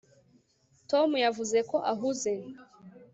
tom yavuze ko ahuze